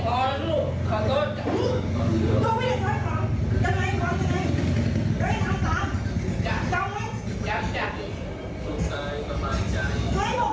สวัสดีครับคุณผู้ชาย